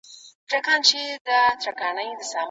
چېري نجوني په خوندي توګه زده کړي کوي؟